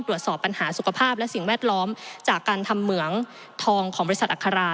ตรวจสอบปัญหาสุขภาพและสิ่งแวดล้อมจากการทำเหมืองทองของบริษัทอัครา